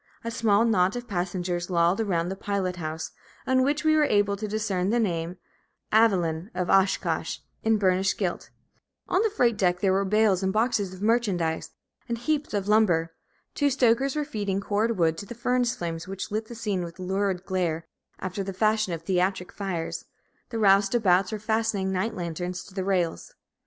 A small knot of passengers lolled around the pilot house, on which we were just able to discern the name "Evalyn, of Oshkosh," in burnished gilt; on the freight deck there were bales and boxes of merchandise, and heaps of lumber; two stokers were feeding cord wood to the furnace flames, which lit the scene with lurid glare, after the fashion of theatric fires; the roustabouts were fastening night lanterns to the rails.